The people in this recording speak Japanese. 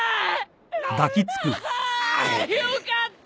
よかった！